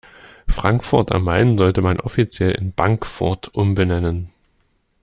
Frankfurt am Main sollte man offiziell in Bankfurt umbenennen.